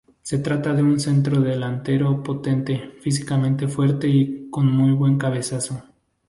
Se trata de un centrodelantero potente, físicamente fuerte y con muy buen cabezazo.